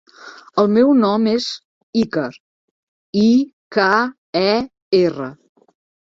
El meu nom és Iker: i, ca, e, erra.